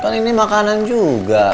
kan ini makanan juga